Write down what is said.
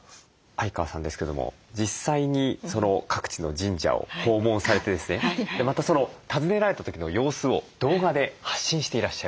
相川さんですけども実際に各地の神社を訪問されてですねまた訪ねられた時の様子を動画で発信していらっしゃいます。